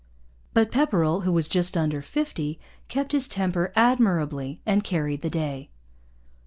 But Pepperrell, who was just under fifty, kept his temper admirably and carried the day.